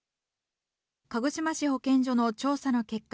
鹿児島市保健所の調査の結果